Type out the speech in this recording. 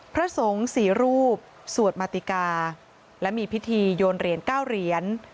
พระสงฆ์๔รูปสวดมาติกาและมีพิธีโยนเหรียญ๙เหรียญ